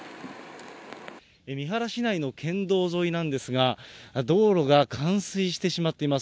三原市内の県道沿いなんですが、道路が冠水してしまっています。